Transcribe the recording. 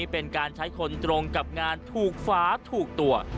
เป็นการใช้คนตรงกับงานถูกฟ้าถูกตัว